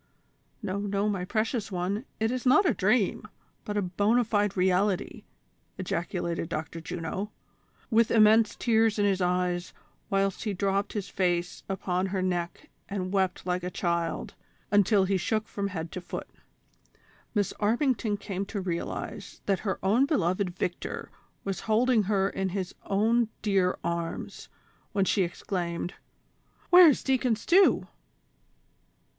" No, no, my precious one, it is not a dream, but a bona fide reality," ejaculated Dr. Juno, with immense tears in his eyes, whilst he dropped his face iipon her neck and wept like a child, until he shook from head to foot. Miss THE CONSPIEATOES AND LOVERS. 231 Armington came to realize that her own beloved Victor was holding her in his own dear arms, when she exclaimed :" Where is Deacon Stew